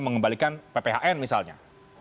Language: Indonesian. mengembalikan pphn misalnya